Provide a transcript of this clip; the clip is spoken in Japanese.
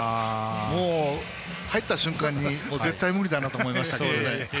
もう入った瞬間に絶対、無理だなと思いましたけどね。